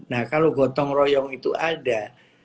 nah kalau gotong royong itu ada